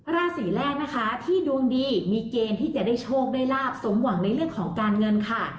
ราศีแรกนะคะที่ดวงดีมีเกณฑ์ที่จะได้โชคได้ลาบสมหวังในเรื่องของการเงินค่ะ